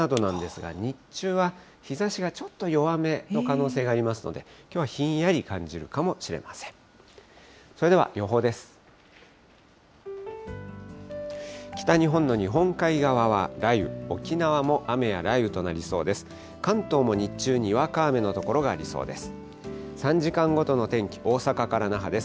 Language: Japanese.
北日本の日本海側は雷雨、沖縄も雨や雷雨となりそうです。